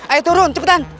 ayo turun cepetan